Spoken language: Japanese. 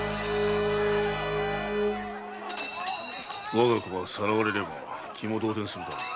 我が子がさらわれれば気も動転するだろう。